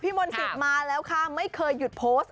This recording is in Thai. พี่มนต์สิตมาแล้วค่ะไม่เคยหยุดโพสต์